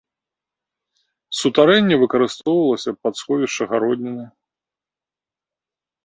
Сутарэнне выкарыстоўвалася пад сховішча гародніны.